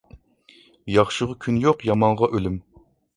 ياخشىغا كۈن يوق، يامانغا ئۆلۈم.